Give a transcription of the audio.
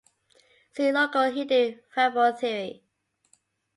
See local hidden variable theory.